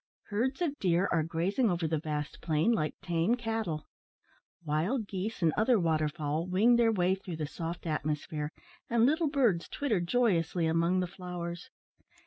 Herds of deer are grazing over the vast plain, like tame cattle. Wild geese and other water fowl wing their way through the soft atmosphere, and little birds twitter joyously among the flowers.